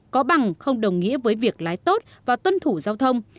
có bằng không đồng nghĩa với việc lái tốt và tuân thủ giao thông